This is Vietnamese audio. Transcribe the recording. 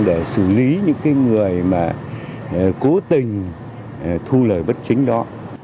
để xử lý những người mà cố tình thu lời bất chính đó